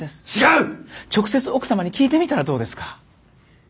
直接奥様に聞いてみたらどうですか。